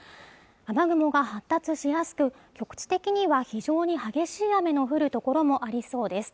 雨雲が発達しやすく局地的には非常に激しい雨の降る所もありそうです